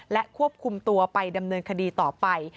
และควบคุมตัวไปดำเนินคดีต่อไป